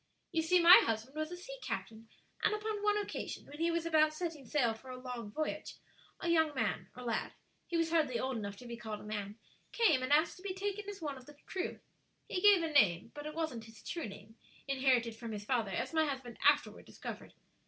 "You see, my husband was a sea captain, and upon one occasion, when he was about setting sail for a long voyage, a young man, or lad he was hardly old enough to be called a man came and asked to be taken as one of the crew. He gave a name, but it wasn't his true name, inherited from his father, as my husband afterward discovered.